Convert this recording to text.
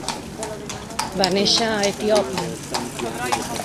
Va néixer a Etiòpia.